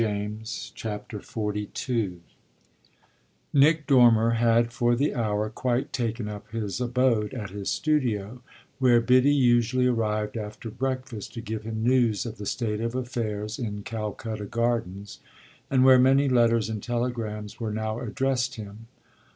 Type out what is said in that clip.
BOOK SEVENTH XLII Nick Dormer had for the hour quite taken up his abode at his studio, where Biddy usually arrived after breakfast to give him news of the state of affairs in Calcutta Gardens and where many letters and telegrams were now addressed him.